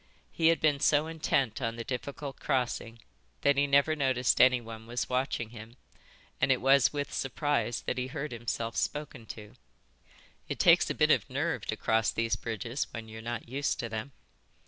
He had been so intent on the difficult crossing that he never noticed anyone was watching him, and it was with surprise that he heard himself spoken to. "It takes a bit of nerve to cross these bridges when you're not used to them."